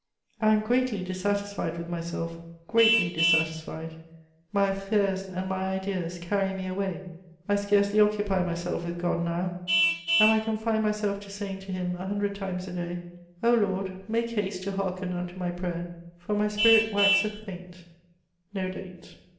I am greatly dissatisfied with myself, greatly dissatisfied. My affairs and my ideas carry me away; I scarcely occupy myself with God now, and I confine myself to saying to Him a hundred times a day, 'O Lord, make haste to hearken unto my prayer, for my spirit waxeth faint.'" [Sidenote: More letters from Lucile.] (_No date.